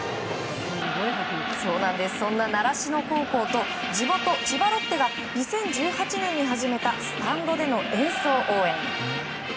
そんな習志野高校と地元・千葉ロッテが２０１８年に始めたスタンドでの演奏応援。